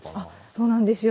そうなんですよ。